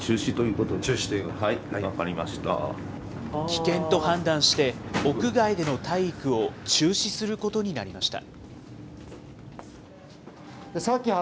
危険と判断して、屋外での体育を中止することになりました。